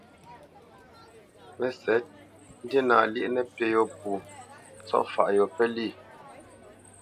Mə́sɛ̌t, ndína lyéʼ nəpí yô pwô, ntsɔ̂faʼ yô pə́lyê.